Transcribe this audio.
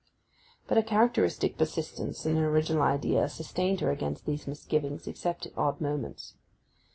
But her characteristic persistence in an original idea sustained her against these misgivings except at odd moments.